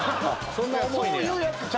そんな重いねや。